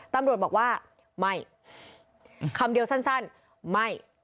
ตำรวจบอกว่าไม่คำเดียวสั้นไม่